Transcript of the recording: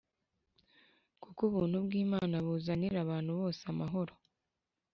Kuko ubuntu bw imana buzanira abantu bose amahoro